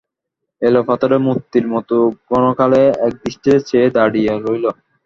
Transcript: এলা পাথরের মূর্তির মতো ক্ষণকাল একদৃষ্টে চেয়ে দাঁড়িয়ে রইল।